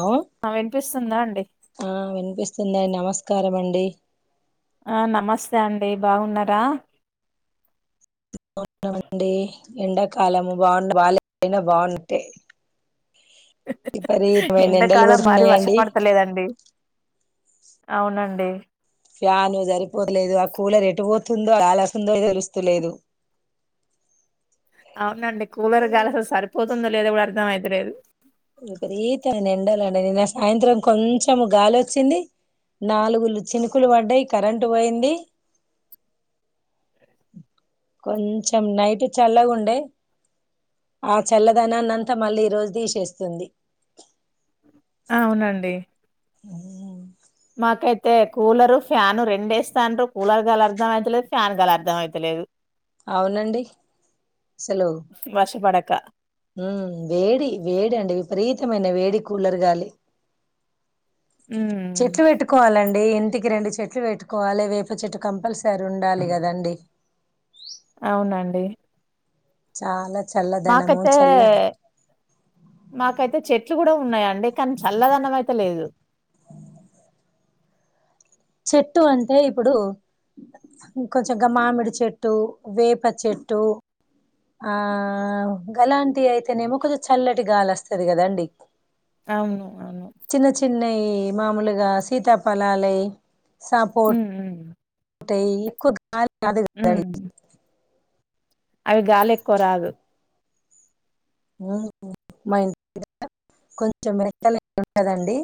ఆ స్తుంద అండి ఆ వినిపిస్తుందండి నమస్కారం అండి ఆ నమస్తే అండి బాగున్నారా మండి ఎండాకాలము బాగు బాలయినా బావుంటే ఎంతకాలం మరి కొడుతున్నాయండి వర్షపడతలేదండి అవునండి ఫ్యాన్ సరిపోతలేదు ఆ కూలర్ ఎటు పోతుందో కాలాసిందో తెరుస్తలేదు అవునండి కూలర్ కాలిసలు సరిపోతుందో లేదా కూడా అర్థం అయింది అదు విపరీతమ ఎండాలంటడి నిన్న సాయంత్రం కొంచెం గాలిచ్చింది నాలుగులు చినుకులు పడ్డాయి కరెం పోయింది కొంచెం నైట్ చల్లగాండే ఆ చల్లదనాన్నంతా మళ్ళీ ఈరోజు తీసేస్తుంది అవునండి నాకైతే కూలరు ఫ్యాన్ రెంస్తాను కూలర్గాలర్జ అయితే చాన్గాలు అర్థం అయితలేదు అవునండి సెలవు క్క ఉ వేడి వేడి అండి విపరీతమైన వేడి కూలర్ గాలి ఉమ్ చెట్లు పెట్టుకోవాలండి ఇంటికి రెండు చెట్లు పెట్టుకోవాలి వేపు చెట్టు కంపల్సరీ ఉండాలి కదండి అవునండి చాలా చల్లదనము మాకయితే చల్ల మాకయితే చెట్ లు కూడా ఉన్నాయండి కానీ చల్లదనం అయితే లేదు చెట్టు అంటే ఇప్పుడు కొంచెం గ మామిడి చెట్టు వేప చెట్టు ఆ అలాంటి అయితేనేమో కొంచెం చల్లటి గాలి వస్తుది కదండి అవును అవును చిన్న చిన్నయి మామూలుగా సీతాపలాల ఉ టద్ ఆదుడి ఉమ్ అవి గాలి ఎక్కువ రాదు మా ఇంటి కొంచెం మిరలు ఉంటదండి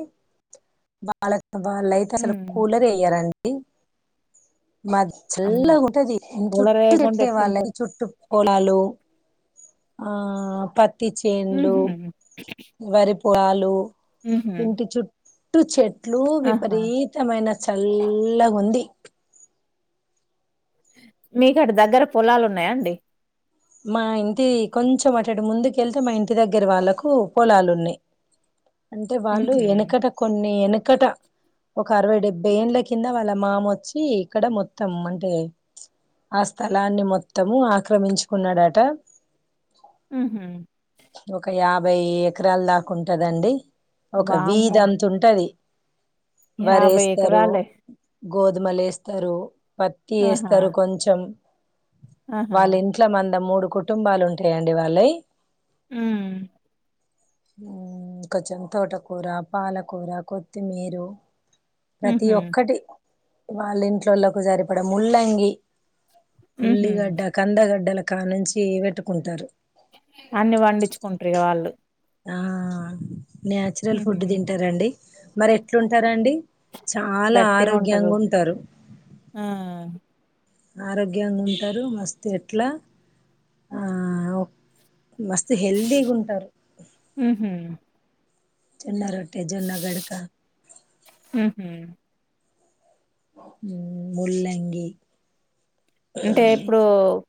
బాల వాళ్ళయితే అసలు ఉమ్ కూలర్ వయ్యాలండి ఏ మా అమ్మో చల్ల ఉంటది కూలర్ చుట్టటు లేకుండా ఎట్లే వాళ్ళ ఎట్లుంటది చుట్టటు నాలు ఆ పత్ చేన్లు ఉహు వరి పొలాలు ఉహు ఇంటి చుట్ట టు చెేట్ ఎట్లు విపరీతమైన చల్ కొంది మీకుడ దగ్గర పొలాలు ఉన్నాయా అండి మా ఇంటి కొంచెం అట్ంటి ముందుకెళ్తే మా ఇంటి దగ్గర వాళ్ళలకు పొలాలు ఉన్నాయి అంటే వాళ్ళు ఉహు వెనకట కొన్ని వెనక ఇక్కట ఒక అరవై డెబ్బై ఏంల కింద వాళ్ళ మామ వచ్చి ఇక్కడ మొత్తం అంటే ఆ స్థలాన్ని మొత్తము ఆక్రమించు కున్నాడాట ఆ ఒక యాభై ఎకరలు దాకాంటదండి ఒక వామ్మో వీధి అంత ఉంటది వరీ యాభై వేస్తారు ఎకరాలే గోధుమలు వేస్తారు పత్తి ఆహా వేస్తారు కొంచెం ఆహా వాళ్ళ ఇంట్లో మంద మూడు కుటుంబాలు ఉంటాయండి వాళ్ళవి ఉమ్ ఉమ్ కొంచెం తోటకూర పాలకూర కొత్తిమీరు ప్రతి ఉహు ఒక్కటి వాళ్ళ ఇంట్లోలకు సరిపడ ముల్లంగి ఉహు ఉల్లిగడ్డ కందగడ్డ గల కానుంచి పెట్టుకుంటారు అన్ని వండించుకుంట్రు వాళ్ళు ఆ నాన్యాచురల్ ఫుడ్ ఉహు తింటారండి మరి ఎట్లుంటారండి చాలా గట్టిగా ఉంటరు ఆరోగ్యంగా ఉంటారు ఆ ఆరోగ్యంగా ఉంటారు మస్తు ఎట్లా ఆ మస్తు హెల్తీగా ఉంటారు ఉ హు చిన్న రోడ్ పేజోళ్ళ గడకా ఉహు ముళ్ళంగి అంటే ఇప్పుడు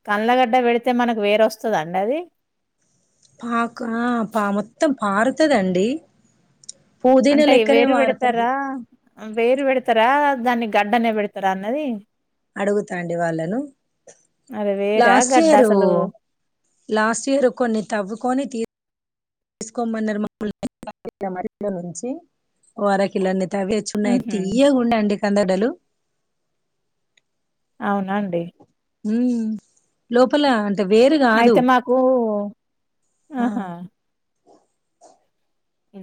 కళ్ళగడ్డ పెడితే మనకు వేరొస్తద అండి అది పాకు ఆ పా మొత్తం పాారుతుదండి పూదీన అంటే లెక్కనే వేరు వారుతది పెడతారా వేరు పెడతారా దాన్ని గడ్డనే పెడతారా అన్నది అడుగుతాండి వాళ్ళను అది వేరా లాస్ట్ గడ్డ ఇయరు అసలు? లాస్ట్ ఇయర్ కొన్ని తవ్వుకొని తీ తీసుకోమన్నారు ముల్లంగి [unintelligible] నుంచి వారకిల్లని తవ్వే చున్నయి హుహు. తియ్యగుండె అండి కం దడలు అవునా అండి ఉమ్ లోపల వేరు కాదు అయితే మాకు ఆ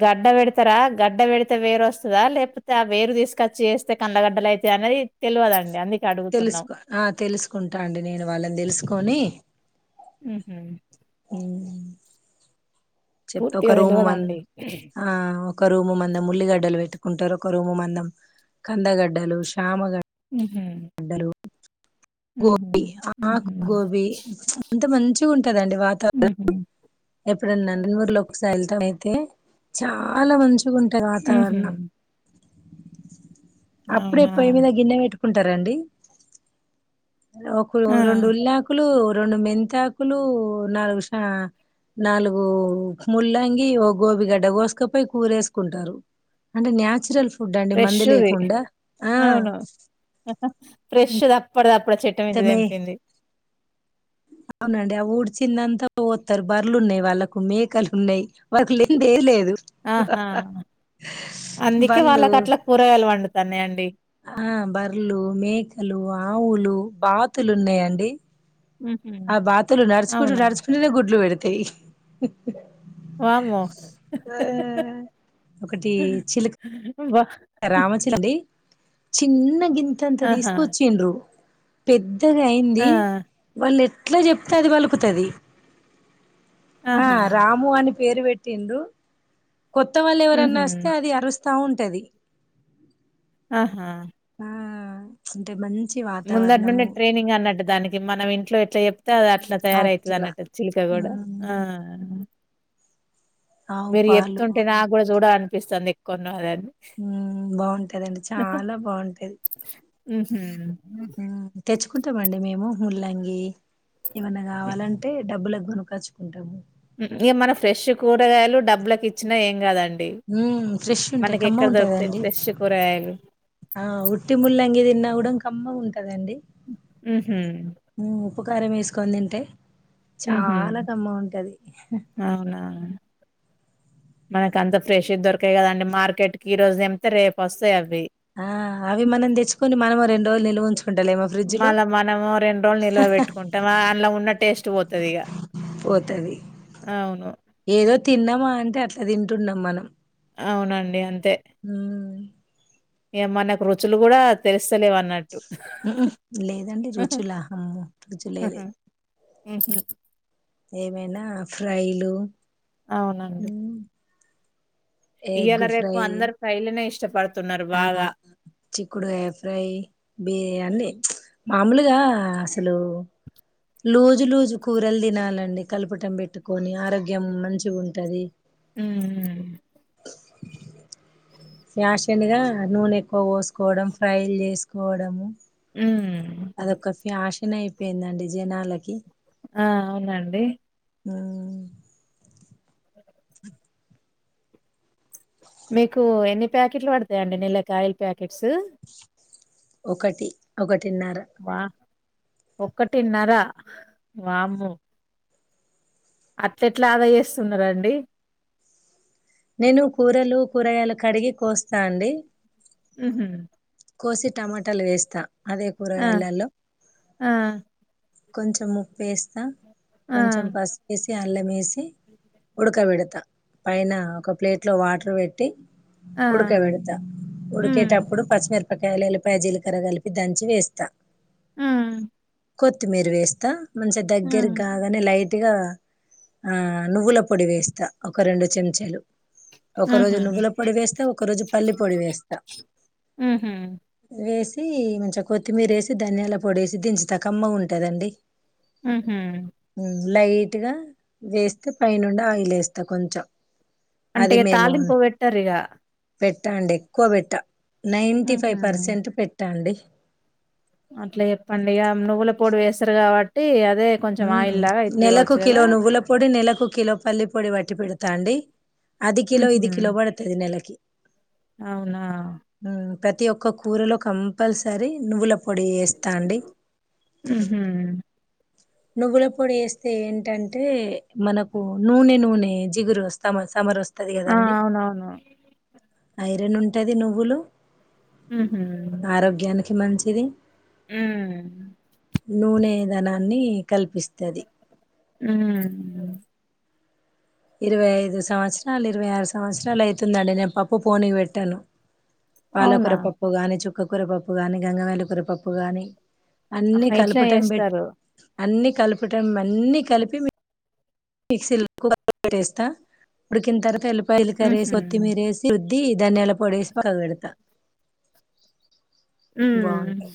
గడ్డ వెడతారా గడ్డ వెడితే వేరు వస్తుందా, లేకపోతే ఆ వేరు తీసుకొచ్చి వేస్తే కందగడ్డలు అయిత అనేది తెలియదండి, అందుకే అడుగుతున్నాం. తెలుసుకో ఆ తెలుసుకుంటా అండి నేను వాళ్ళని తెలుసుకొని హుహు. అ చెప్తే పూర్తిగా ఒక రూమ్ వన్ తెలవదండి. హఆ ఒక రూము మందం ఉల్లిగడ్డలు పెట్టుకుంటారు ఒక రూము మందం కందగడ్డలు శ్యామగడ్డ ఊ హు గోబీ హుహు. ఆకుగోబి అంత మంచిగ్ ఉంటదండి వాతావరణం హుహు. ఎ ప్ ఇప్పుడు నందమూరిలో ఒక సైలితం అయితే చాలా మంచి మంచిగుంటది హుహు. వాతావరణం అప్పుడే అవునా? పోయి మీద గిన్నె పేటు పెట్టు కుంటారండి ఒక లో ఆ! రెండు ఉల్లాకులు వోట్ రెండు మెంతాకులు నాలుగు శ నాలుగు ముల్లంగి ఓ గోబిగడ్డ గోస్కపై కూరేసుకుంటారు అంటే న్యాచురల్ ఫ్యూడ్ ఫుడ్డండి మందు ఫ్రెష్‌ది. లేకుండా ఆ ఫ్రెష్ది అప్పడిదప్పుడు అప్పుడు చెట్టం ఇంట తమే తెంపింది అవునండి ఆ ఊడిచిందంతా పోస్తారు బర్రేలు ఉన్నాయి వాళ్ళలకు మేకలు ఉన్నాయి వాళ్కు లేేనిది ఏమి లేదు ఆహా అందుకే బర్లు వాళ్ళకు అట్ల కూరగాయలు పండుతన్నాయండి ఆ బర్లు మేకలు ఆవులు బాతులు ఉన్నాయండి హుహు. ఆ బాతులు నర్చుకు అవునా? నర్చుకుంటనే గుడ్లు పెడుత పెడతాయి వామ్మో బా రామచిలకండి చిన్నగింత అంతంత ఆహా! తీసుకొచ్చిండ్రు పెద్ధ ఆ! పెద్దగయింది వాళ్ళు ఎట్ ఎట్లా చెప్తే అది పలుకుతది ఆ ఆహా! రాము అని ప పేరుపేట్టిండ్రు కొత్తవాళ్ళు ఎవరన్నా హుహు. అస్తే అది అరుస్తది ఆరుస్తా ఉంటది ఆహా ఆ అంటే మంచి ముందటి నుండి వాతావరణము ట్రైనింగ్ అన్నట్టు దానికి మనం ఇంట్లో ఎట్లా చె తే అట్లా తయారవుతుది అట్లా అన్నట్ చిలక కూడా ఆవు మీరు పాలు చెప్తుంటే నాకు కూడా చూడల అనిపిస్తుంది కొన్నవ దాన్ని ఉమ్ బాగుంటదండి చాలా బాగుంటాది హుమ్ ఊహ్ తెచ్చుకుంటామండి మేము ముల్లంగి ఏమన్నా కావాలంటే డబ్బులకు కొనకచుకుంటాము ఇక మనం ఫ్రెష్ కూరగాయలు డబ్బులలకు ఇచ్చినా ఏం కాదండి ఉమ్ ఫ్రెష్ ఉంటాయి కమ్మగ ఉంట కదండి ఫ్రెష్ కూరగాయలు. ఆ ఉట్టి ముల్లంగి తిన్నా ఉడం కమ్మగుంటది కదండి హుహు. ఉప్పు కారం వేసుకొని తింటే హుహు. చాలా కమ్మగుంటది మనకి అంత ఫ్రెష్ దొరకయి కదండి మార్కెట్ కి ఈ రోజు తెంపుతే రేపు వస్తాయి అవి ఆ అవి మనం తెచ్చుకుొని మనం రెండు రోజులు నిల్వ ఉంచు మళ్ళ మనము రెండు రోజులు నిల్వ పెట్టుకుంటాం, అందులో ఉన్న టేస్ట్ పోతది ఇగ పోతది ఏదో తిన్నామా అంటే అట్లా తింటున్నాం మనం అవునండి అం ఉమ్ ఏ మనకు రుచులు కూడా తెలుస్తలేవు అన్నట్టు లేదండి రుచుల రుచులే లేదు ఉహు ఏమైనా ఫ్రైలు అవునండి మ్మ్ ఎగ్ ఇయలా రేపు ఫ్రై అందరు ఫ్రైలనే ఇష్ చెప్పాడు ఆ చిక్కుడుగాయ ఫ్రై బి అన్ని ప్చ్ మామూలుగా అసలు లూజు లూజు కూరలు తినాలండి కలపటం పెట్టుకొని ఆరోగ్యం మంచిగుంటది ఉమ్ ఫ్యాషన్ గా నూనె ఎక్కువ పోసుకోవడం ఫ్రైలు చేసుకోవడము ఉమ్ అదొక ఫ్యాషన్ అయిపేయిందండి జనాలకి ఆ అవునండి ఆ మీకు ఎన్ని ప్యాకెట్లు పడతాయిడి నీలకా ఆయిల్ ప్యాకెట్స్ ఒకటి ఒకటి తిన్నారు వా ఒక్కటిన్నర వాము అట్ల ఎట్లా ఆదా చేస్తున్నార అండి నేను కూరలు కూరగాయలు కడిగి కోస్తా అండి ఉహ కోసి టమాటాలు వేస్తా అదే కూర ఆ! అలా ఆ! కొంచం ఉప్పేస్త ఆ! కొంచెం పసి వేసి అల్లమేసి ఉడక విడత పైన ఒక ప్లేట్ లో వాటర్ పెట్టి ఆ! ఉడుక విడతా హ్మ్. ఉడుకేటప్పుడు పచ్చిమర్ పకాయలు ప్యాజీల కర కలిపి దంచి వేస్తా ఆ కొత్త కొత్తిమరు వేస్తా మంచిగా దగ్గరకి కాగానే లైట్ గట్టిగా ఆ నువ్వుల పొడి వేస్తా ఒక రెండు చెంచాలు ఒక రోజు హుహు. నువ్వుల పొడి వేస్తా ఒక రోజు పల్ల పొడి వేస్తా హుహు. వేస్త మంచిగా కొత్తిమీర వేసి ధనియాల పొడి వేసి దించతకమ్మ ఉంటుంది ఉంటదండి ఆహమ్ లైట్గా వేస్తే పైనండి ఆయిల్ వేస్తా కొంచెం అంటే అది ఇ మేము తళింపు పెట్టారు ఇక పెట్టండి ఎక్కువ పెట్ట నైన్ంటీ ఫైవ్ హుహు. పర్సెంట్ పెట్టండి అట్లా చెప్పండి ఇక నువ్వుల పొడి వేస్తారు కాబట్టి అ హ నెలక కిలో నువవుల పొడి నెలక కిలో పల్లీ పొడి వటి పడత తాండడి అది కిలో హుహు. ఇది కిలో పడుతుంది నెలకి అవునా ఉమ్ ప్రతి ఒక్క కూరలో కంపల్సరీ నువ్వుల పొడి వేస్తాండి హుహు. నువ్వుల పొడి వేస్తే ఏంటంటే మనకు నూనె నూనె జిగురు వస్తా సమర్ వస్త ఆ అవునవును రెండు ఉంటది నువ్వులు హుహు. ఆరోగ్యానికి మంచి ఇది హ్మ్. నూనె ధనాన్ని కల్పిస్తది మ్ ఇరవై ఐదు సంవత్సరాలు ఇరవై ఆరు సంవత్సరాలైతుందండి నేను పప్పు పోనీ పెట్టాలా అవునా! పాలకూర పప్పుగానీ చుక్ కక్కోర పప్పు కానీ గంగమేలికూర పప్పు కానీ అన్ని ఆహా! ఇట్లా కలపటం పెట్ చేస్తారు. అన్నీ కలపడం అన్నీ కలిపి మిక్సీ పెట్టేస్తా ఉడికిన తర్వ తెల్లుపాయల హుహు. కరేసి కొత్తిమీరేసి ది ధనియాల పోడేసుకొని అది పెడత మ్ బాగుంటాయి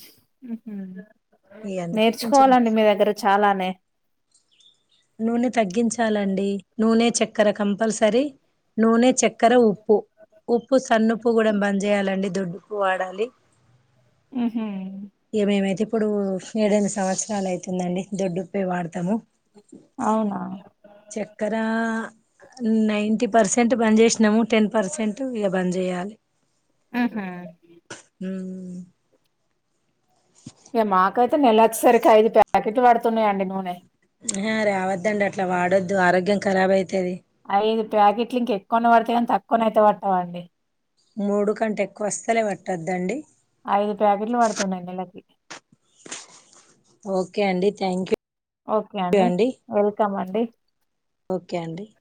మ్ ఇగ అందుకే కొంచెం నేర్చుకోవాలండి మీ దగ్గర చాలానే నూనె తగ్గించాలండి నూనె చక్కెర కంపల్సరీ నూనె చక్కర ఉప్పు ఉప్పు సన్నుప్పు కూడా బంద్ చేయాలండి దొడ్డు ఉప్పు వాడాలి మ్ హు ఇక మేమైతే ఇప్పుడు ఏడెన్ల సంవత్సరాలు ఐతుందండి దొడ్డు ఉప్పే వాడతాము అవునా చక్కరా నైన్టీ పర్సెంట్ బంద్ చేసినాము టెన్ పర్సెంట్ ఇక బంద్ చేయాలి మ్ హు మ్ ఇగ మాకైతే నెలొచ్చేసరికి ఐదు ప్యాకెట్లు పడుతున్నాయండి నూనె ఆ రావద్దండి అట్లా వాడొద్దు ఆరోగ్యం కరాబ్ అయితది ఐదు ప్యాకెట్లు ఇంకెక్కువన్న పడతాయ్ కాని తక్కువనయితే పడతావండి మూడు కంటే ఎక్కువ అస్సలే పట్టద్దండి ఐదు ప్యాకెట్లు పడుతున్నాయి నెలకి థ్యాంక్యూ ఓకే అండి వెల్కమ్ అండి అంటే ఓకే అండి